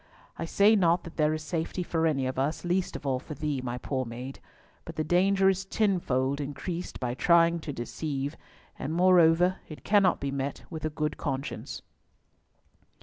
I say not that there is safety for any of us, least of all for thee, my poor maid, but the danger is tenfold increased by trying to deceive; and, moreover, it cannot be met with a good conscience."